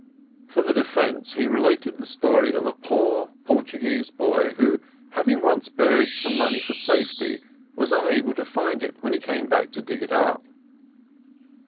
For the defence, he related the story of a poor Portuguese boy who, hav ing once buried some money for safety, was unable to find it when he came back to dig it up.